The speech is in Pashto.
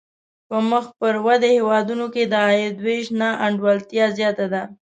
په مخ پر ودې هېوادونو کې د عاید وېش نا انډولتیا زیاته ده.